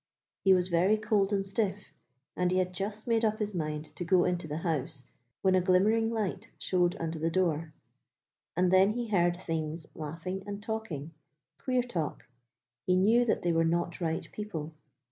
He was very cold and stiff, and he had just made up his mind to go into the house, when a glimmering light showed under the door; and then he heard Things laughing and talking queer talk he knew that they were not right people.